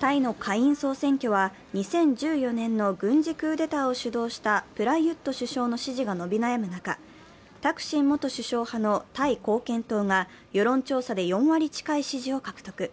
タイの下院総選挙は２０１４年の軍事クーデターを主導したプラユット首相の支持が伸び悩む中、タクシン元首相派のタイ貢献党が世論調査で４割近い支持を獲得。